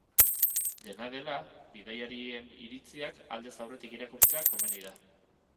Dena dela, bidaiarien iritziak aldez aurretik irakurtzea komeni da.